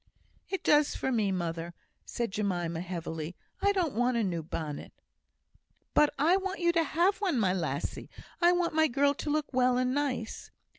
"It does for me, mother," said Jemima, heavily. "I don't want a new bonnet." "But I want you to have one, my lassie. I want my girl to look well and nice."